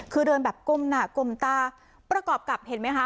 คือเดินแบบก้มหน้ากลมตาประกอบกับเห็นไหมคะ